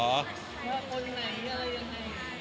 ว่าคนไหนอะไรยังไง